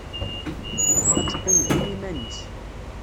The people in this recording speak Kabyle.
Ad teqqim din iman-is.